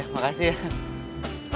ya makasih ya